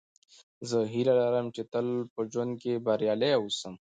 زه هیله لرم، چي تل په ژوند کښي بریالی اوسم.